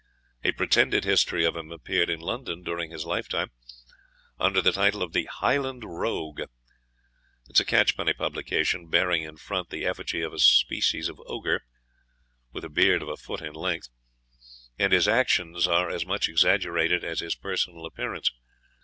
A pretended history of him appeared in London during his lifetime, under the title of the Highland Rogue. It is a catch penny publication, bearing in front the effigy of a species of ogre, with a beard of a foot in length; and his actions are as much exaggerated as his personal appearance.